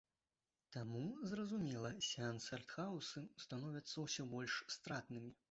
Таму, зразумела, сеансы арт-хаўсу становяцца ўсё больш стратнымі.